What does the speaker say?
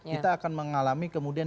kita akan mengalami kemudian